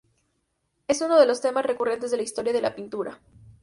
Es uno de los temas recurrentes en la historia de la pintura.